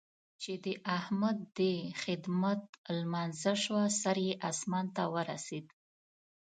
چې د احمد د خدمت لمانځه شوه؛ سر يې اسمان ته ورسېد.